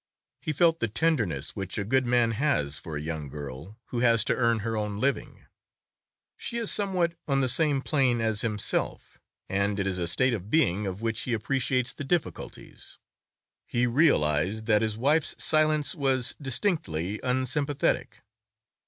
He felt the tenderness which a good man has for a young girl who has to earn her own living; she is somewhat on the same plane as himself, and it is a state of being of which he appreciates the difficulties. He realized that his wife's silence was distinctly unsympathetic.